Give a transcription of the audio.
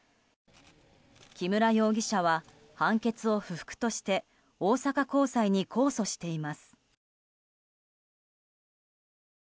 木村容疑者は判決を不服として大阪高裁に控訴しています。